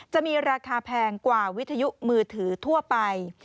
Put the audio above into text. จะมีราคาแพงกว่าวิทยุมือถือทั่วไป